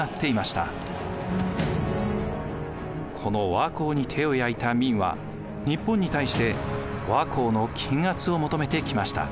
この倭寇に手を焼いた明は日本に対して倭寇の禁圧を求めてきました。